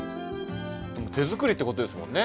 手作りってことですもんね。